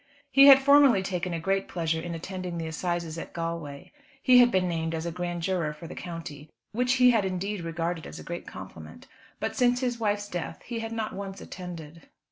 He had formerly taken a great pleasure in attending the assizes at Galway. He had been named as a grand juror for the county, which he had indeed regarded as a great compliment; but since his wife's death he had not once attended.